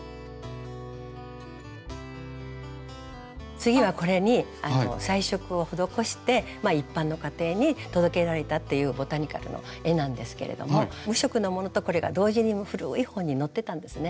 次はこれに彩色を施して一般の家庭に届けられたっていうボタニカルの絵なんですけれども無色のものとこれが同時に古い本に載ってたんですね。